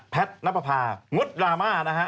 แพทน์ณปภางดดราม่านะฮะ